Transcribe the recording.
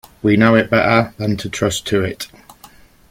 We know it better than to trust to it.